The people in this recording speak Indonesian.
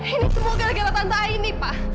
ini semua gara gara tante aini pak